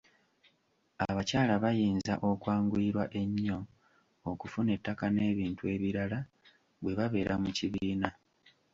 Abakyala bayinza okwanguyirwa ennyo okufuna ettaka n’ebintu ebirala bwe babeera mu kibiina.